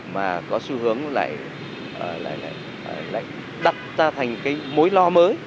mà có xu hướng lại đặt ra thành cái mối lo mới